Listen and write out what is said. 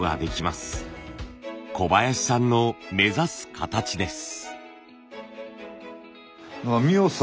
小林さんの目指す形です。